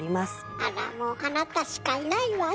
あらもうあなたしかいないわね！